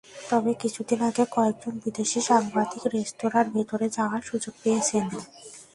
তবে কিছুদিন আগে কয়েকজন বিদেশি সাংবাদিক রেস্তোরাঁর ভেতরে যাওয়ার সুযোগ পেয়েছেন।